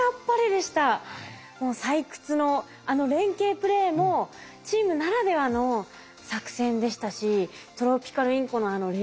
もう採掘のあの連携プレーもチームならではの作戦でしたしトロピカルインコのあの冷静さ。